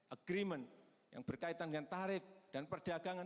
agreement yang berkaitan dengan tarif dan perdagangan